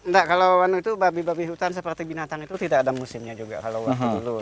enggak kalau itu babi babi hutan seperti binatang itu tidak ada musimnya juga kalau waktu dulu